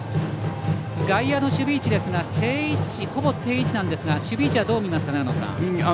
外野の守備位置ですがほぼ定位置なんですが守備位置はどう見ますか長野さん。